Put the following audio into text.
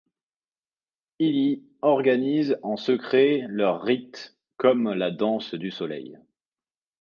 Ils y organisaient en secret leurs rites, comme la danse du Soleil.